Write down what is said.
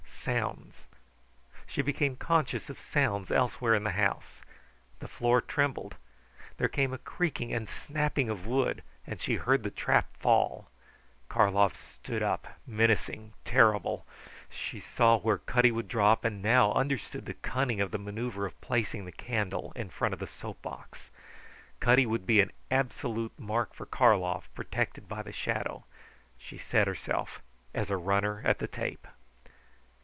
Sounds. She became conscious of noises elsewhere in the house. The floor trembled. There came a creaking and snapping of wood, and she heard the trap fall. Karlov stood up, menacing, terrible. She saw where Cutty would drop, and now understood the cunning of the manoeuvre of placing the candle in front of the soapbox. Cutty would be an absolute mark for Karlov, protected by the shadow. She set herself, as a runner at the tape.